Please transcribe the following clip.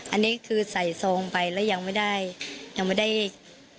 อันนี้คือใส่ทรงไปแล้วยังไม่ได้เห็บออกอ่ะค่ะ